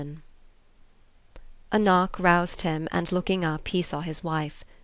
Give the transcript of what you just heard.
VII A knock roused him and looking up he saw his wife.